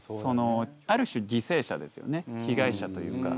ある種犠牲者ですよね被害者というか。